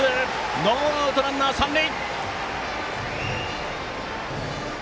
ノーアウトランナー、三塁！